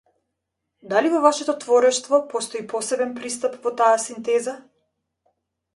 Дали во вашето творештво постои посебен пристап во таа синтеза?